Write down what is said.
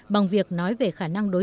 bằng việc nói về khả năng đối thoại